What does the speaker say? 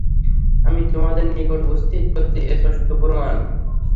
আমি তোমাদের নিকট উপস্থিত করছি স্পষ্ট প্রমাণ।